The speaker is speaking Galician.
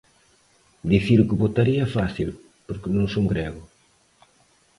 Dicir o que votaría é fácil porque non son grego.